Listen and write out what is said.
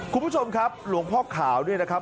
คุณผู้ชมครับหลวงพ่อขาวเนี่ยนะครับ